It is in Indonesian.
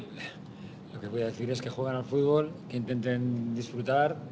dan membuat mereka bahagia dengan orang indonesia